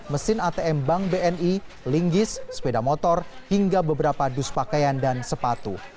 mesin atm bank bni linggis sepeda motor hingga beberapa dus pakaian dan sepatu